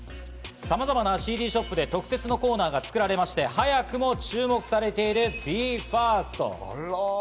さまざまなＣＤショップで特設コーナーが作られまして、早くも注目されているＢＥ：ＦＩＲＳＴ。